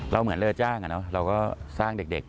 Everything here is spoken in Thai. เหมือนเรือจ้างเราก็สร้างเด็ก